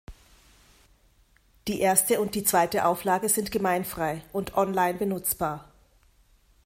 Die erste und die zweite Auflage sind gemeinfrei und online benutzbar.